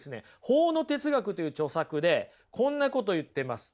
「法の哲学」という著作でこんなこと言ってます。